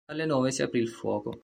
Alle nove si aprì il fuoco.